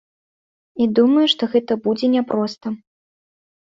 І думаю, што гэта будзе няпроста.